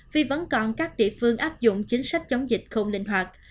vì vẫn còn các địa phương áp dụng chính sách chống dịch không linh hoạt